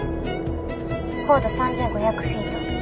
高度３，５００フィート。